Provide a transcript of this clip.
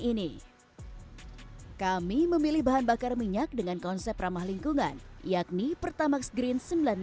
ini kami memilih bahan bakar minyak dengan konsep ramah lingkungan yakni pertamax green sembilan puluh dua